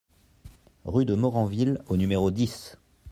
Rue de Moranville au numéro dix